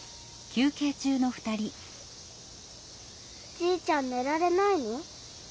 じいちゃんねられないの？